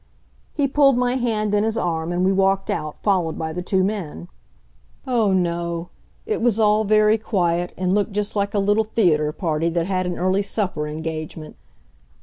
He pulled my hand in his arm and we walked out, followed by the two men. Oh, no! It was all very quiet and looked just like a little theater party that had an early supper engagement.